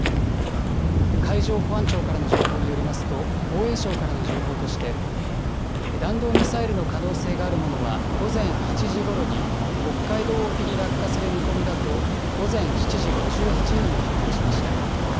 海上保安庁からの情報によりますと、防衛省からの情報として、弾道ミサイルの可能性があるものは、午前８時ごろに、北海道沖に落下する見込みだと、午前７時５８分に発表しました。